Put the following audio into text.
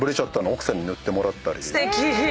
すてき。